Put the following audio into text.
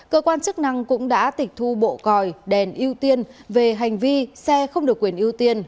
cơ quan chức năng cũng đã tịch thu bộ còi đèn ưu tiên về hành vi xe không được quyền ưu tiên